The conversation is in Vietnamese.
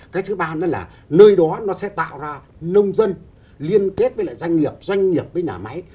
cái thứ ba nữa là nơi đó nó sẽ tạo ra nông dân liên kết với lại doanh nghiệp doanh nghiệp với nhà máy